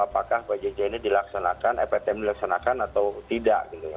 apakah pjj ini dilaksanakan ptm dilaksanakan atau tidak